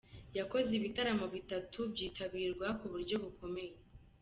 Yakoze ibitaramo bitatu byitabirwa ku buryo bukomeye.